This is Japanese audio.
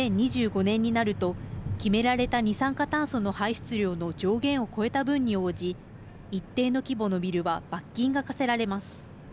２０２５年になると決められた二酸化炭素の排出量の上限を超えた分に応じ一定の規模のビルは罰金が科せられます。